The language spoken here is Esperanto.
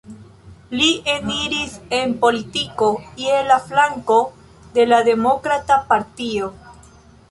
Li eniris en politiko je la flanko de la Demokrata Partio.